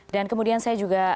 dan kemudian saya juga